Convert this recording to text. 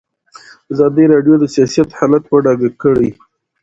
ازادي راډیو د سیاست حالت په ډاګه کړی.